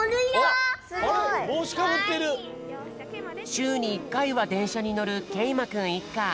しゅうに１かいはでんしゃにのるけいまくんいっか。